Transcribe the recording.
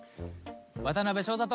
渡辺翔太と。